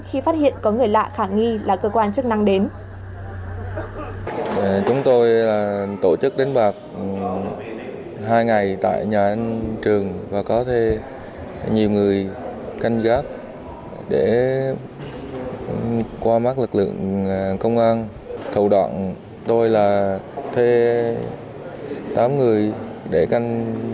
khi phát hiện có người lạ khả nghi là cơ quan chức năng đến